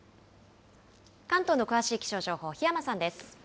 関東の詳しい気象情報、檜山さんです。